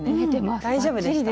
大丈夫でした？